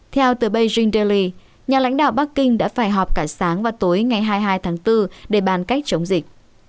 theo từ beijing daily nhà lãnh đạo bắc kinh đã phải họp cả sáng và tối ngày hai mươi hai tháng bốn để bàn cách chống dịch